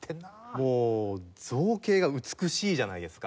もう造形が美しいじゃないですか。